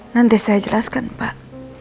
nanti saya jelaskan pak